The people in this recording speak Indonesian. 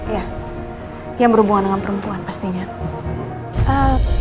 ya yang berhubungan dengan perempuan pastinya